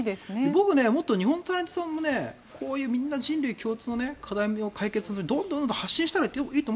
僕もっと日本のタレントさんもね人類共通の課題を解決するためにどんどん発信したらいいと